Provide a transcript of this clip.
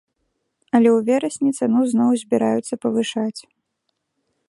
Але ў верасні цану зноў збіраюцца павышаць.